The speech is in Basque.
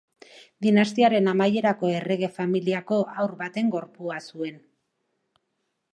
Dinastiaren amaierako errege familiako haur baten gorpua zuen.